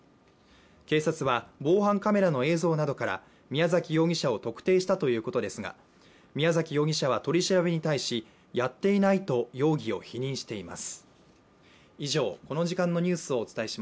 警察は防犯カメラの映像などから宮崎容疑者を特定したということですが宮崎容疑者は取り調べに対しやっていないと容疑を否認しています。